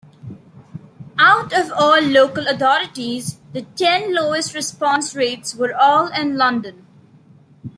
Out of all local authorities, the ten lowest response rates were all in London.